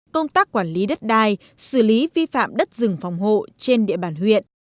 công tác quản lý đất đai xử lý vi phạm đất rừng phòng hộ trên địa bàn huyện